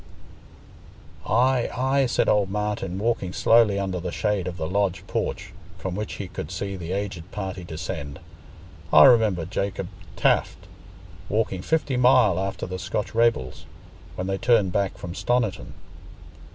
"Aye, aye," said old Martin, walking slowly under the shade of the lodge porch, from which he could see the aged party descend. "I remember Jacob Taft walking fifty mile after the Scotch raybels, when they turned back from Stoniton."